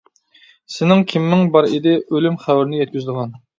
سېنىڭ كىمىڭ بار ئىدى ئۆلۈم خەۋىرىنى يەتكۈزىدىغان؟ !